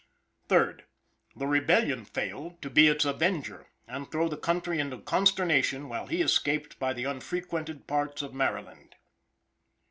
3d. The rebellion failed, to be its avenger, and throw the country into consternation, while he escaped by the unfrequented parts of Maryland.